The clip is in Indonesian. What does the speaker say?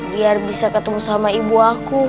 biar bisa ketemu sama ibu aku